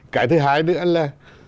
cái thứ hai nữa là